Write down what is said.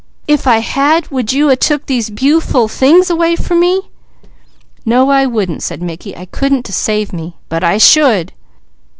"'F I had, would you a took these bu'ful things 'way from me?" "No I wouldn't!" said Mickey. "I couldn't to save me. But I _should!